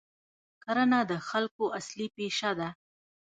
کرنه د خلکو اصلي پیشه ده.